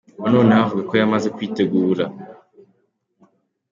Ubu noneho avuga ko yamaze kwitegura.